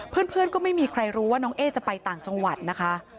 เพื่อนก็ไม่มีใครรู้ว่าน้องเอ๊จะไปต่างจังหวัดนะคะ